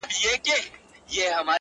او مذهبیانو تر مینځ